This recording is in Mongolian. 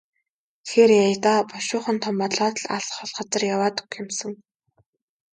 Тэгэхээр яая даа, бушуухан том болоод л алс хол газар яваад өгөх юм сан.